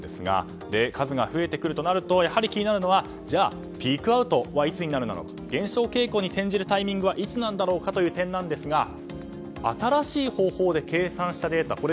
数が増えてくるとなると気になるのはじゃあ、ピークアウトはいつになるのか減少傾向に転じるタイミングはいつなんだろうかという点なんですが新しい方法で計算したデータ